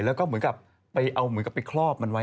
แล้วก็เอาเหมือนกับไปคลอบมันไว้